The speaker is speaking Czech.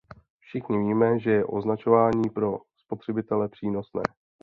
Všichni víme, že je označování pro spotřebitele přínosné.